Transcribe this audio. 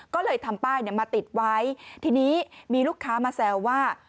ก็เลยทำป้ายมาติดไว้ทีนี้มีลูกค้ามาแซวว่า